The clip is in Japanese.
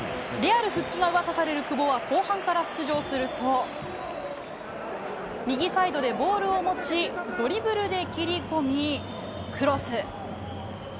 レアル復帰が噂される久保は後半から出場すると右サイドでボールを持ちドリブルで切り込みクロス。